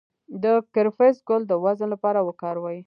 د کرفس ګل د وزن لپاره وکاروئ